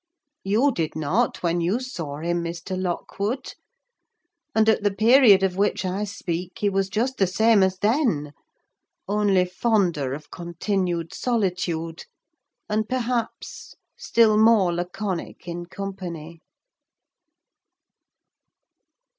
You did not when you saw him, Mr. Lockwood: and at the period of which I speak, he was just the same as then; only fonder of continued solitude, and perhaps still more laconic in company.